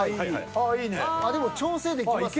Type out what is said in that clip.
ああでも調整できますね。